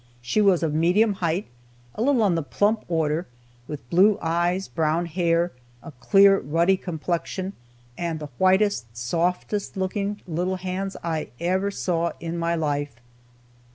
She was of medium height, a little on the plump order, with blue eyes, brown hair, a clear, ruddy complexion, and the whitest, softest looking little hands I ever saw in my life.